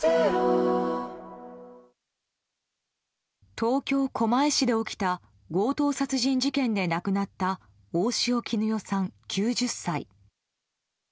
東京・狛江市で起きた強盗殺人事件で亡くなった大塩衣与さん、９０歳。